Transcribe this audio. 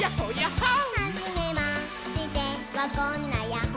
「はじめましてはこんなヤッホ」